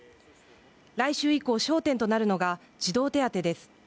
来週以降焦点となるのが児童手当です